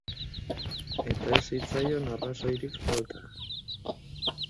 Eta ez zitzaion arrazoirik falta.